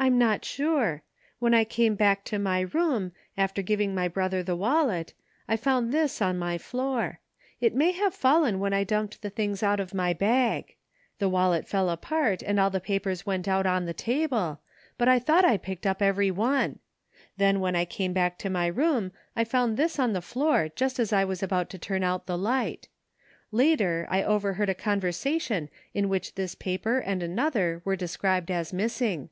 "" I'm not sure. When I came back to my room, after giving my brother the wallet, I found this on my floor. It may have fallen when I dumped the things out of my bag. The wallet fell apart and all the papers 185 THE FINDING OF JASPER HOLT went out on the table, but I thought I picked up every one. Then when I came baxdc to my room I found this * on the floor just as I was about to turn out the light Later I overheard a conversation in which this paper and another were described as missing.